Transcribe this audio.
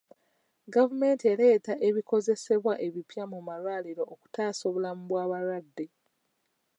Gavumenti ereeta ebikozesebwa ebipya mu malwaliro okutaasa obulamu bw'abalwadde.